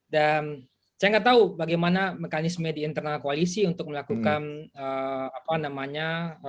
dan saya nggak tahu bagaimana mekanisme di internal koalisi untuk melakukan apa namanya